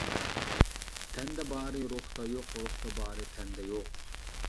تەندە بارى روھتا يوق، روھتا بارى تەندە يوق.